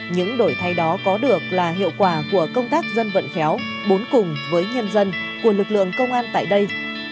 những đổi thay đó có được là hiệu quả của công tác dân vận khéo bốn cùng với nhân dân của lực lượng công an tại đây